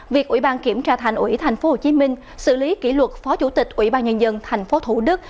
việc ủy ban kiểm tra thành ủy tp hcm xử lý kỷ luật phó chủ tịch ủy ban nhân dân tp thủ đức